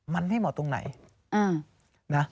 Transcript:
มันไม่เหมาะตรงไหนนะ